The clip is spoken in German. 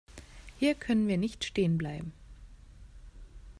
Hier können wir nicht stehen bleiben.